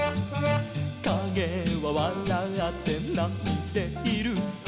「かげはわらって泣いている」